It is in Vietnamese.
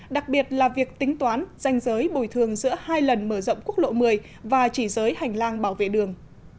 đặc biệt là việc tính toán danh giới bồi thường giữa hai lần mở rộng quốc lộ một mươi và chỉ giới hành lang bảo vệ đường